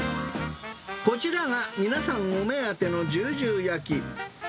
こちらが皆さんお目当てのじゅうじゅう焼き。